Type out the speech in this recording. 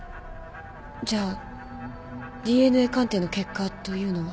じゃあＤＮＡ鑑定の結果というのは？